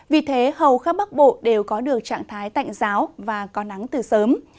vì thế hầu khắp bắc bộ đều có được trạng thái tạnh giáo và có nắng từ sớm